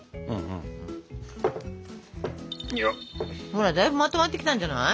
ほらだいぶまとまってきたんじゃない？